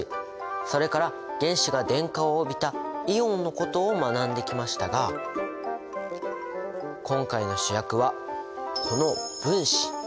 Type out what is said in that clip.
それから原子が電荷を帯びたイオンのことを学んできましたが今回の主役はこの分子。